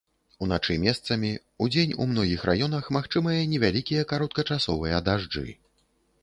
Уначы месцамі, удзень у многіх раёнах магчымыя невялікія кароткачасовыя дажджы.